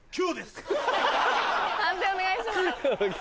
判定お願いします。